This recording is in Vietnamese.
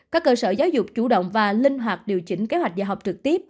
các cơ sở giáo dục chủ động và linh hoạt điều chỉnh kế hoạch dạy học trực tiếp